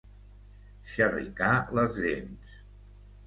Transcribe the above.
Xerricar les dents.